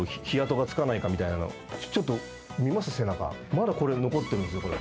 まだこれ残ってるんですよ、これ。